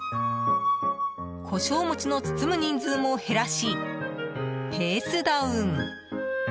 胡椒餅の包む人数も減らしペースダウン。